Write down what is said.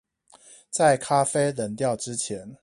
在咖啡冷掉之前